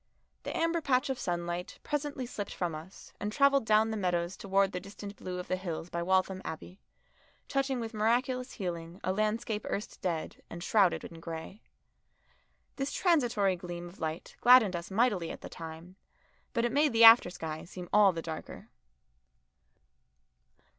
The amber patch of sunlight presently slipped from us and travelled down the meadows towards the distant blue of the hills by Waltham Abbey, touching with miraculous healing a landscape erst dead and shrouded in grey. This transitory gleam of light gladdened us mightily at the time, but it made the after sky seem all the darker.